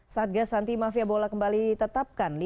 satgas anti mafia bola kembali tetapkan